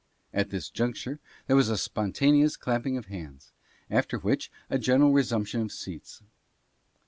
At this juncture there was a spon taneous clapping of hands, after which a general resumption of seats.